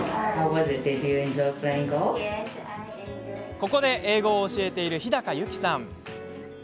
ここで英語を教えている日高由記さん。